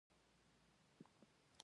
منډه د وجود رګونه فعالوي